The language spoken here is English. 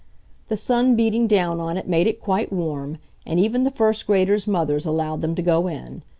The sun beating down on it made it quite warm, and even the first graders' mothers allowed them to go in.